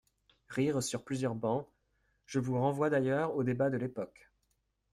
(Rires sur plusieurs bancs) Je vous renvoie d’ailleurs aux débats de l’époque.